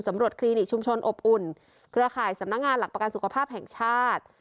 คลินิกชุมชนอบอุ่นเครือข่ายสำนักงานหลักประกันสุขภาพแห่งชาติ